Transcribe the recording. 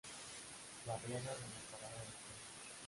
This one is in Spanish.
Barriada de la Parada del Tren.